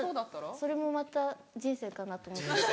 それもまた人生かなと思って。